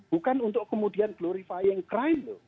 bukan untuk kemudian glorifying crime loh